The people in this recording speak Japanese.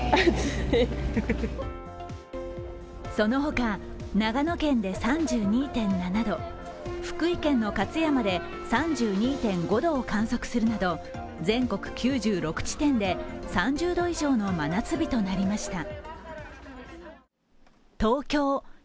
その他、長野県で３２．７度、福井県の勝山で３２．５度を観測するなど全国９６地点で３０度以上の真夏日となりました。